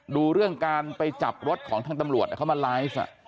ดูเรื่องการไปจับรถของทางตำรวจเขามาไลฟ์